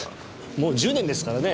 もう１０年ですからね。